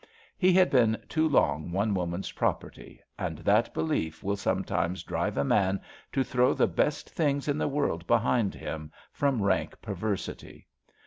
He had been too long one woman's property; and that belief will some times drive a man to throw the best things in the world behind him, from rank perversity.